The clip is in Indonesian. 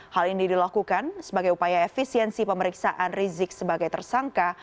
hal ini dilakukan sebagai upaya efisiensi pemeriksaan rizik sebagai tersangka